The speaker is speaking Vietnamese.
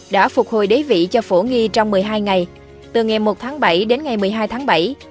đã phục hồi đế vị cho phổ nghi trong một mươi hai ngày từ ngày một tháng bảy đến ngày một mươi hai tháng bảy